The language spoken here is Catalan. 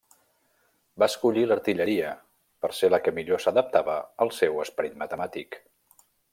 Va escollir l'artilleria, per ser la que millor s'adaptava al seu esperit matemàtic.